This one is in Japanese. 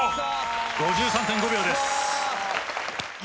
５３．５秒です。